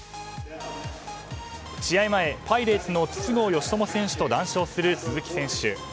試合前、パイレーツの筒香嘉智選手と談笑する鈴木選手。